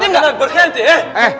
jangan berani berani ya